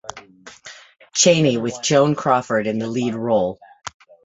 Cheyney with Joan Crawford in the lead role.